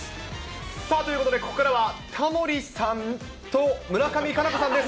さあ、ということで、ここからはタモリさんと村上佳菜子さんです。